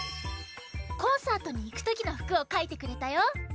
コンサートにいくときのふくをかいてくれたよ。